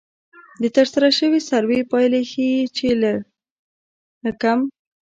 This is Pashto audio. د ترسره شوې سروې پایلې ښيي چې له کم